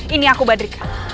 ini aku badrika